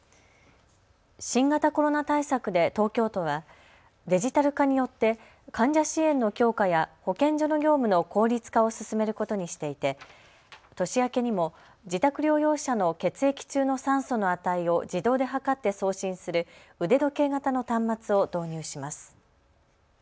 新型コロナ対策で東京都はデジタル化によって患者支援の強化や保健所の業務の効率化を進めることにしていて年明けにも自宅療養者の血液中の酸素の値を自動で測って送信する腕時計型の端末を導入します。